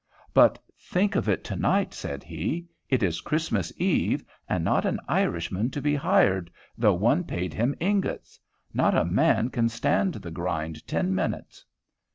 "But think of it to night," said he. "It is Christmas eve, and not an Irishman to be hired, though one paid him ingots. Not a man can stand the grind ten minutes."